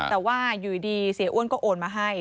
แต่ว่าอยู่ดีเสียอ้วนก็โอนมาให้